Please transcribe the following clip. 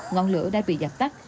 ngọn lửa đã bị giặt tắt